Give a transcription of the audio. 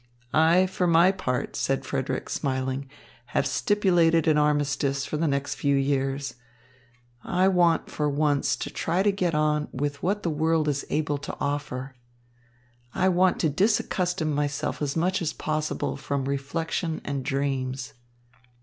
"I for my part," said Frederick, smiling, "have stipulated an armistice for the next few years. I want for once to try to get on with what the world is able to offer. I want to disaccustom myself as much as possible from reflection and dreams."